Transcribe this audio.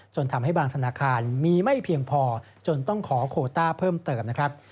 ทำให้บางธนาคารมีไม่เพียงพอจนต้องขอโคต้าเพิ่มเติมนะครับ